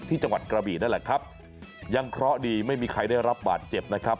จังหวัดกระบี่นั่นแหละครับยังเคราะห์ดีไม่มีใครได้รับบาดเจ็บนะครับ